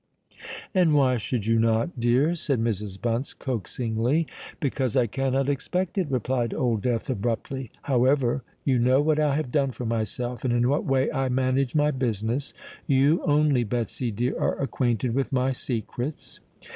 "And why should you not, dear?" said Mrs. Bunce coaxingly. "Because I cannot expect it," replied Old Death abruptly. "However—you know what I have done for myself, and in what way I manage my business. You only, Betsy dear, are acquainted with my secrets."